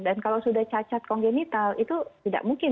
dan kalau sudah cacat kongenital itu tidak mungkin